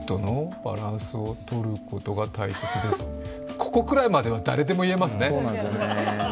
ここくらいまでは、誰でも言えますね。